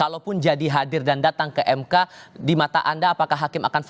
itu bukan berarti ditolak argumennya